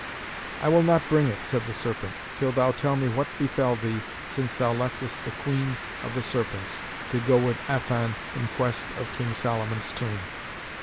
'I will not bring it,' said the serpent, 'till thou tell me what befell thee since thou leftest the Queen of the Serpents, to go with Affan in quest of King Solomon's tomb.'